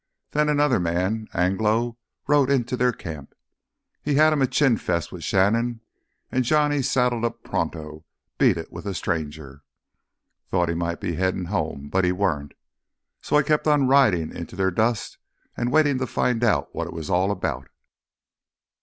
Then another man, Anglo, rode into their camp—had him a chin fest with Shannon, an' Johnny saddled up pronto, beat it with th' stranger. Thought he might be headin' home, but he weren't. So I kept on ridin' into their dust an' waitin' to find out what it was all 'bout.